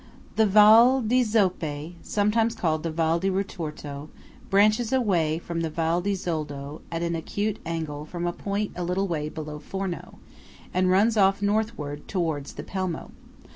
The Val di Zoppé, sometimes called the Val di Rutorto, branches away from the Val di Zoldo at an acute angle from a point a little below Forno, and runs off northward towards the Pelmo.